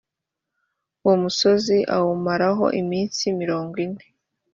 uwo musozi awumaraho iminsi mirongo ine